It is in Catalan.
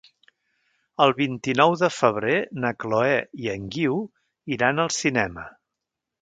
El vint-i-nou de febrer na Chloé i en Guiu iran al cinema.